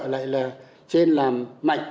lại là trên làm mạnh